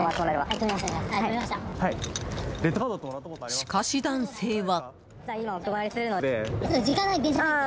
しかし、男性は。